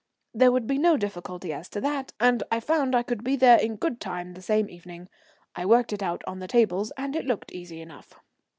There would be no difficulty as to that, and I found I could be there in good time the same evening. I worked it out on the tables and it looked easy enough.